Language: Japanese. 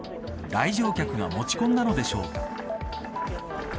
来場客が持ち込んだのでしょうか。